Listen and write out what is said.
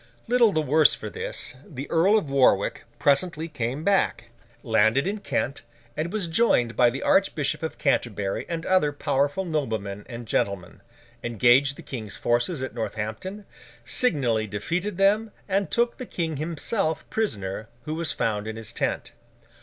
Little the worse for this, the Earl of Warwick presently came back, landed in Kent, was joined by the Archbishop of Canterbury and other powerful noblemen and gentlemen, engaged the King's forces at Northampton, signally defeated them, and took the King himself prisoner, who was found in his tent.